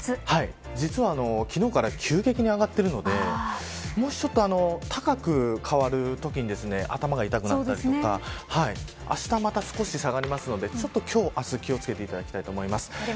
実は昨日から急激に上がっているのでもしちょっと高く変わるときに頭が痛くなったりとかあしたまた少し下がりますのでちょっと今日は気を付けていただきたいと思います。